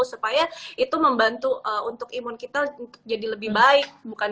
supaya itu membantu untuk imun kita jadi lebih baik